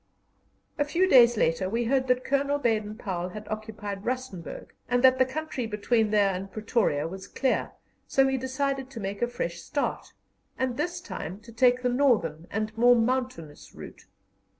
A few days later we heard that Colonel Baden Powell had occupied Rustenburg, and that the country between there and Pretoria was clear; so we decided to make a fresh start, and this time to take the northern and more mountainous route.